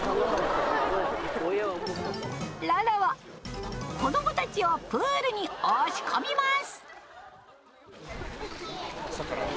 ララは子どもたちをプールに押し込みます。